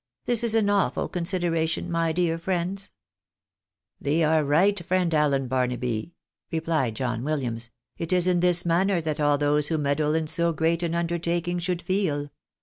This is an awful consideration, my dear friends !"" Thee art right, friend Allen Barnaby," replied John Williams. " It is in this manner that all those who meddle in so great an un dertaking should feel.